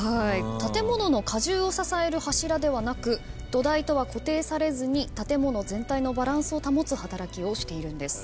建物の荷重を支える柱ではなく土台とは固定されずに建物全体のバランスを保つ働きをしているんです。